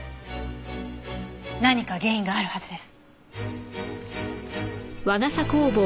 何か原因があるはずです。